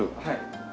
はい。